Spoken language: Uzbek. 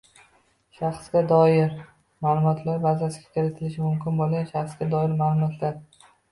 Shaxsga doir ma’lumotlar bazasiga kiritilishi mumkin bo‘lgan shaxsga doir ma’lumotlar